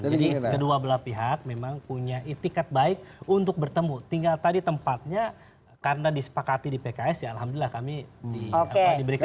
jadi keduablah pihak memang punya itikat baik untuk bertemu tinggal tadi tempatnya karena disepakati di pks ya alhamdulillah kami diberikan